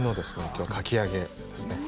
きょうはかき揚げですね。